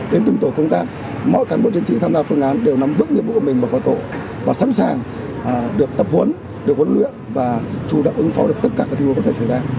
đến từng tổ công tác mỗi cán bộ chiến sĩ tham gia phương án đều nắm vững nghiệp vụ của mình và có tổ và sẵn sàng được tập huấn được huấn luyện và chủ động ứng phó được tất cả các tình huống có thể xảy ra